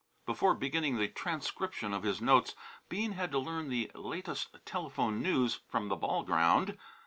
Before beginning the transcription of his notes, Bean had to learn the latest telephone news from the ball ground.